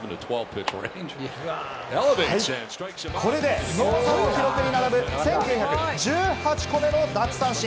これで野茂さんの記録に並ぶ１９１８個目の奪三振。